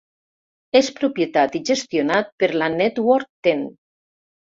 És propietat i gestionat per la Network Ten.